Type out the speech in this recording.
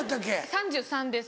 ３３歳です。